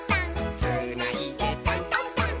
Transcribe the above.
「つーないでタントンタン」